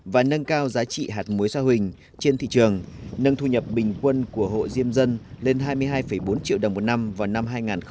và nâng cao giá trị hạt muối sa huỳnh trên thị trường nâng thu nhập bình quân của hộ diêm dân lên hai mươi hai bốn triệu đồng một năm vào năm hai nghìn hai mươi